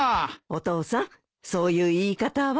お父さんそういう言い方は。